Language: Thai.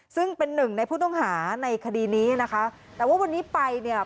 ซึ่งเป็นหนึ่งในผู้ต้องหาในคดีนี้นะคะแต่ว่าวันนี้ไปเนี่ย